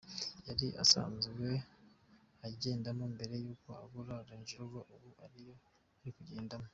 yari asanzwe agendamo mbere y’uko agura Ronger Rover ubu ariyo arikugendamo.